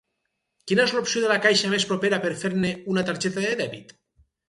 Quina és l'opció de la caixa més propera per fer-me una targeta de dèbit?